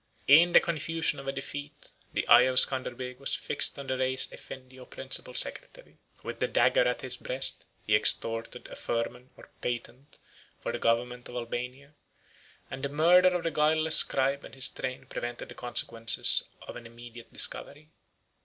In the confusion of a defeat, the eye of Scanderbeg was fixed on the Reis Effendi or principal secretary: with the dagger at his breast, he extorted a firman or patent for the government of Albania; and the murder of the guiltless scribe and his train prevented the consequences of an immediate discovery.